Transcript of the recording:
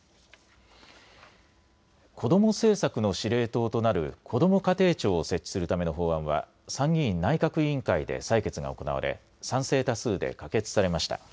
子ども政策の司令塔となるこども家庭庁を設置するための法案は参議院内閣委員会で採決が行われ賛成多数で可決されました。